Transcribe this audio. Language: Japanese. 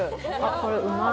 これうまい。